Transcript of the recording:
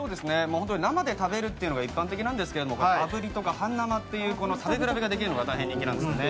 生で食べるというのが一般的なんですけれども、炙りや半生という食べ比べができるのが大変人気なんですよね。